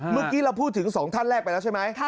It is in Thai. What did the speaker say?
เมื่อกี้เราพูดถึง๒ท่านแรกไปแล้วใช่ไหม